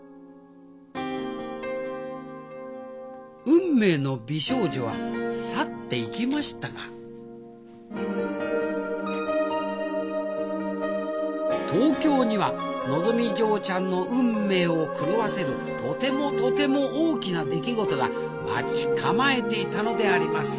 運命の美少女は去っていきましたが東京にはのぞみ嬢ちゃんの運命を狂わせるとてもとても大きな出来事が待ち構えていたのであります